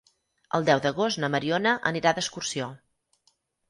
El deu d'agost na Mariona anirà d'excursió.